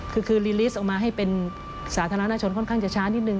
คือลีลิสต์ออกมาให้เป็นสาธารณชนค่อนข้างจะช้านิดนึ